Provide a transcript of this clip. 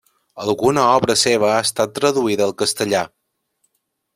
Alguna obra seva ha estat traduïda al castellà.